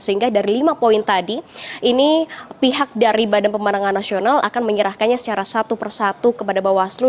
sehingga dari lima poin tadi ini pihak dari badan pemenangan nasional akan menyerahkannya secara satu persatu kepada bawaslu